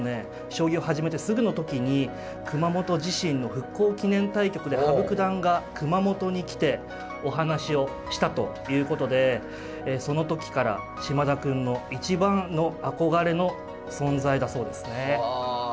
将棋を始めてすぐの時に熊本地震の復興祈念対局で羽生九段が熊本に来てお話をしたということでその時から嶋田くんの一番の憧れの存在だそうですね。